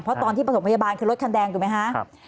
เพราะตอนที่ประถมพยาบาลคือรถคันแดงถูกไหมคะ